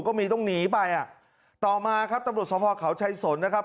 ก็มีต้องหนีไปอ่ะต่อมาครับตำรวจสภเขาชัยสนนะครับ